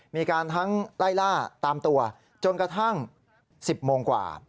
มีการทั้งไล่ล่าตามตัวจนกระทั่ง๑๐โมงกว่า